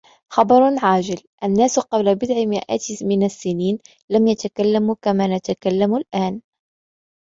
خبر عاجل: الناس قبل بضع مئات من السنين لم يتكلموا كما نتكلم الآن.